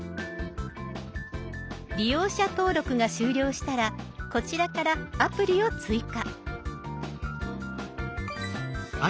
利用者登録が終了したらこちらからアプリを追加。